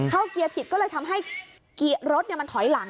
เกียร์ผิดก็เลยทำให้รถมันถอยหลัง